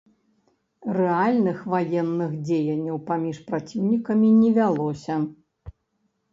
Рэальных ваенных дзеянняў паміж праціўнікамі не вялося.